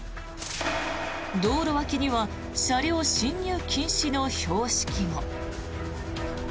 道路脇には車両進入禁止の標識も。